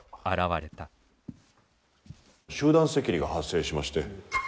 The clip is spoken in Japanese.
集団赤痢が発生しまして。